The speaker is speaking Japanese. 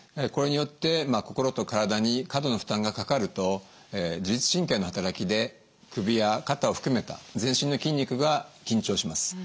これによって心と体に過度の負担がかかると自律神経の働きで首や肩を含めた全身の筋肉が緊張します。